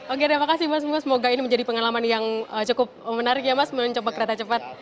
oke terima kasih mas bung semoga ini menjadi pengalaman yang cukup menarik ya mas mencoba kereta cepat